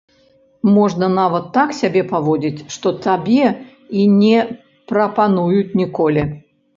Можна нават так сябе паводзіць, што табе і не прапануюць ніколі.